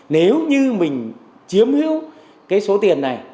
nếu như mình chiếm hữu cái số tiền này